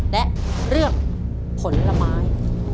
และเรื่องผลไม้